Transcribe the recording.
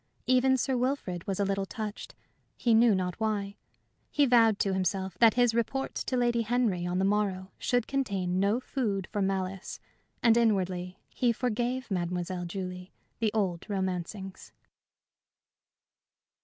Even Sir Wilfrid was a little touched, he knew not why; he vowed to himself that his report to Lady Henry on the morrow should contain no food for malice, and inwardly he forgave Mademoiselle Julie the old romancings.